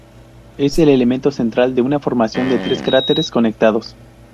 Es el elemento central de una formación de tres cráteres conectados.